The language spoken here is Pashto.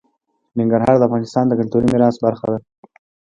ننګرهار د افغانستان د کلتوري میراث برخه ده.